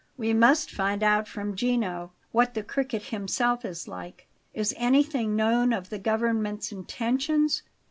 "We must find out from Gino what the Cricket himself is like. Is anything known of the government's intentions?